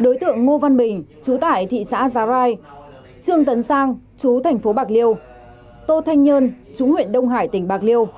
đối tượng ngô văn bình chú tại thị xã giá rai trương tấn sang chú thành phố bạc liêu tô thanh nhơn chú huyện đông hải tỉnh bạc liêu